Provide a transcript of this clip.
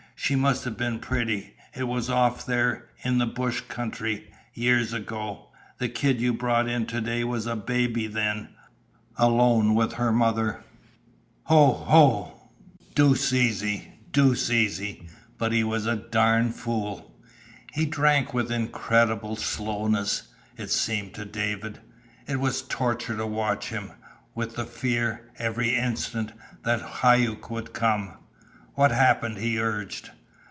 She must have been pretty. It was off there in the bush country years ago. The kid you brought in to day was a baby then alone with her mother. Ho, ho! deuced easy deuced easy! But he was a darn' fool!" He drank with incredible slowness, it seemed to David. It was torture to watch him, with the fear, every instant, that Hauck would come. "What happened?" he urged.